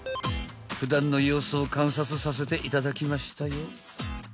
［普段の様子を観察させていただきましたよ］